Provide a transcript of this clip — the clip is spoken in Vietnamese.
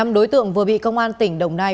năm đối tượng vừa bị công an tỉnh đồng nai